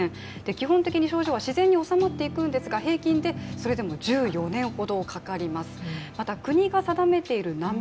基本的に症状は自然に治まっていくんですが平均でそれでも１４年ほどかかります。